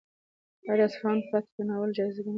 ایا د اصفهان فاتح ناول جایزه ګټلې ده؟